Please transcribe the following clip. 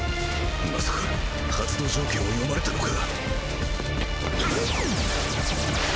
まさか発動条件を読まれたのか？